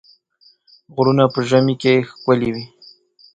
غرونه په ژمي کې ښکلي وي.